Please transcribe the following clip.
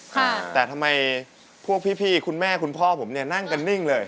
แต่ทำไมพวกพี่คุณแม่คุณพ่อผมเนี่ยนั่งกันนิ่งเลย